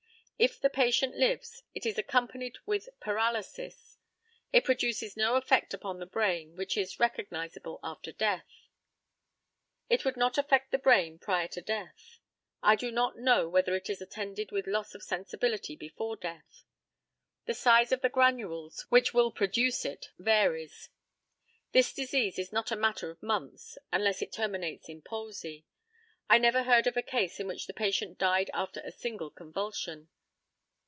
If the patient lives, it is accompanied with paralysis. It produces no effect upon the brain which is recognisable after death. It would not affect the brain prior to death. I do not know whether it is attended with loss of sensibility before death. The size of the granules which will produce it varies. This disease is not a matter of months, unless it terminates in palsy. I never heard of a case in which the patient died after a single convulsion.